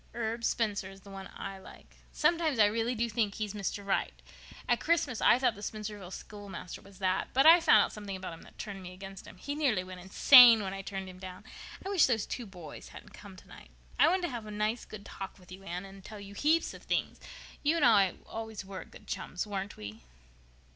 Herb Spencer is the one I like. Sometimes I really do think he's Mr. Right. At Christmas I thought the Spencervale schoolmaster was that. But I found out something about him that turned me against him. He nearly went insane when I turned him down. I wish those two boys hadn't come tonight. I wanted to have a nice good talk with you, Anne, and tell you such heaps of things. You and I were always good chums, weren't we?"